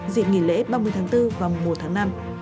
dịp nghỉ lễ ba mươi tháng bốn và mùa một tháng năm